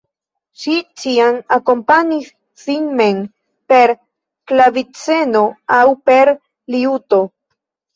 Ŝi ĉiam akompanis sin mem per klaviceno aŭ per liuto.